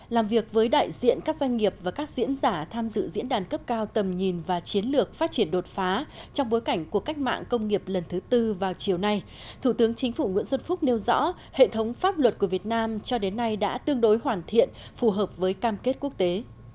làm việc với đại diện các doanh nghiệp và các diễn giả tham dự diễn đàn cấp cao tầm nhìn và chiến lược phát triển đột phá trong bối cảnh của cách mạng công nghiệp lần thứ tư vào chiều nay thủ tướng chính phủ nguyễn xuân phúc nêu rõ hệ thống pháp luật của việt nam cho đến nay đã tương đối hoàn thiện phù hợp với cam kết quốc tế